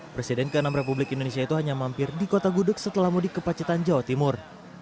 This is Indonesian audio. presiden ke enam republik indonesia itu hanya mampir di kota gudeg setelah mudik ke pacitan jawa timur